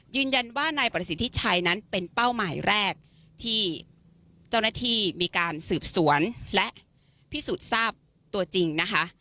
ยืนยันว่านายประสิทธิชัยนั้นเป็นเป้าหมายแรกที่เจ้าหน้าที่มีการสืบสวนและพิสูจน์ทราบตัวจริงนะคะ